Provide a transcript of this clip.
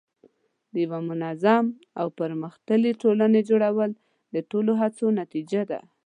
د یوه منظم او پرمختللي ټولنې جوړول د ټولو هڅو نتیجه ده.